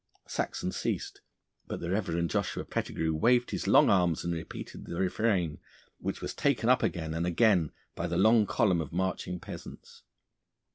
Saxon ceased, but the Reverend Joshua Pettigrue waved his long arms and repeated the refrain, which was taken up again and again by the long column of marching peasants.